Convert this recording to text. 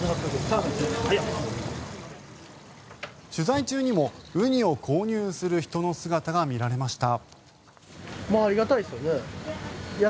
取材中にもウニを購入する人の姿が見られました。